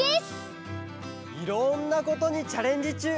いろんなことにチャレンジちゅう！